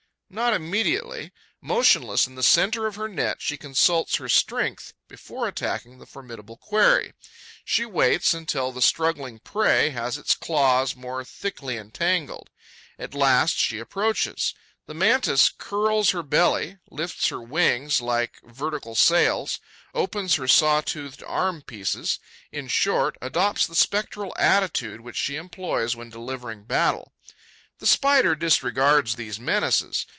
Not immediately. Motionless in the centre of her net, she consults her strength before attacking the formidable quarry; she waits until the struggling prey has its claws more thickly entangled. At last, she approaches. The Mantis curls her belly; lifts her wings like vertical sails; opens her saw toothed arm pieces; in short, adopts the spectral attitude which she employs when delivering battle. The Spider disregards these menaces.